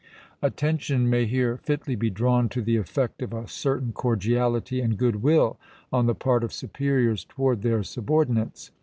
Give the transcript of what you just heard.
Attention may here fitly be drawn to the effect of a certain cordiality and good will on the part of superiors toward their subordinates.